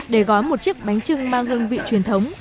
để gói một chiếc bánh trưng mang hương vị truyền thống